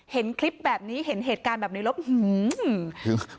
เห็นคลิปแบบนี้เห็นเหตุการณ์แบบในระบบหืม